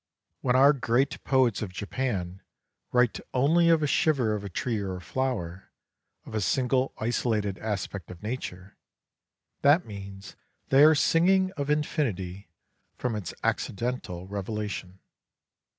When our great poets of Japan write only of a shiver of a tree or a flower, of a single isolated aspect of nature, that means that they are singing of infinity from its accidental revelation.